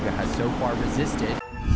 nga đã đối xử với nga